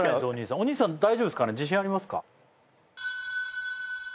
お兄さん大丈夫ですかね自信ありますか？